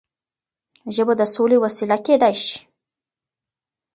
ژبه د سولې وسيله کيدای شي.